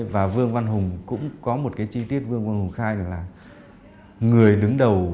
và vương văn hùng cũng có một chi tiết vương văn hùng khai là